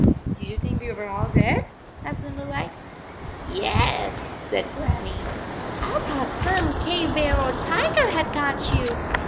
14 Did you think we were all dead?" asked Limberleg. "Yes," said Grannie. "I thought some cave bear or tiger had got you.